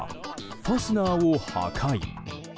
ファスナーを破壊。